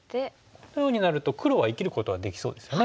このようになると黒は生きることができそうですよね。